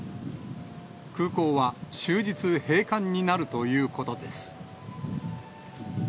空港は、終日閉館になるということです。